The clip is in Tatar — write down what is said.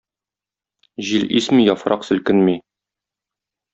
Җил исми яфрак селкенми.